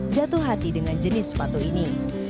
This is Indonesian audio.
jatuh hati dengan jenis sepatu ini